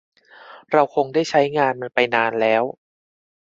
เราคงได้ใช้งานมันไปนานแล้ว